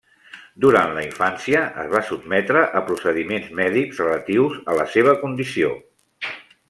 Durant la infància, es va sotmetre a procediments mèdics relatius a la seva condició.